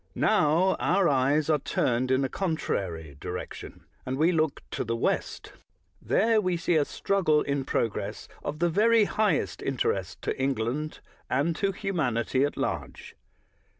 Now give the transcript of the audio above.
Now our eyes are turned in a contrary direction, and we look to the west. There we see a struggle in progress of the very highest interest to England and to humanity at large.